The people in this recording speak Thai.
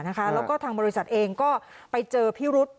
แล้วก็ทางบริษัทเองก็ไปเจอพิรุษ